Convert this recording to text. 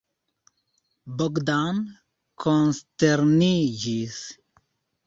Bogdan konsterniĝis.